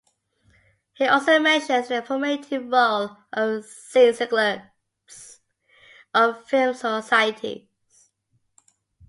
He also mentions the formative role of "cinceclubes", or film societies.